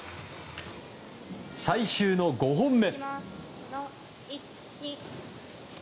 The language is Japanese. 最終の５本目。